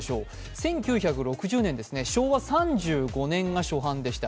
１９６０年ですね、昭和３５年が初版でした。